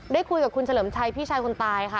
ได้คุยกับคุณเฉลิมชัยพี่ชายคนตายค่ะ